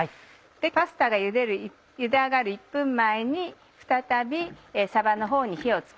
パスタがゆで上がる１分前に再びさばのほうに火を付けますね。